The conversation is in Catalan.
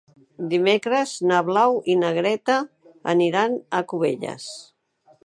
Dimecres na Blau i na Greta aniran a Cubelles.